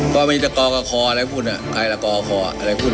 ก็ติดกับพคกิณฑ์ไหน